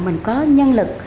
mình có nhân lực